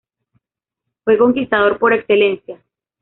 Fue conquistador por excelencia.